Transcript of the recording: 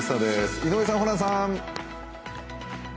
井上さん、ホランさん。